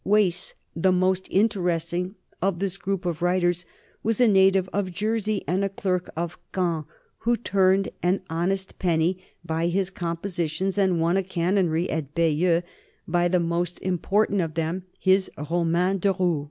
Wace, the most interesting of this group of writers, was a native of Jersey and a clerk of Caen who turned an honest penny by his compositions and won a canonry at Bayeux by the most important of them, his Roman de Rou.